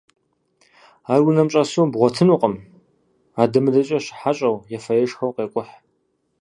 Ар унэм щӏэсу бгъуэтынукъым, адэмыдэкӏэ щыхьэщӏэу, ефэ-ешхэу къекӏухь.